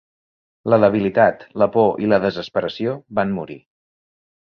La debilitat, la por i la desesperació van morir.